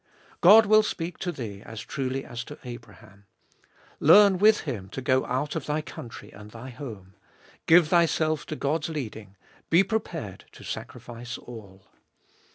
God will speak to thee as truly as to Abraham. Learn with him to go out of thy country and thy home; give thyself to God's leading ; be prepared to sacrifice all.